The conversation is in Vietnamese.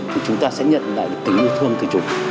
thì chúng ta sẽ nhận lại tình yêu thương từ chúng